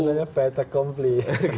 kita tanya veta compli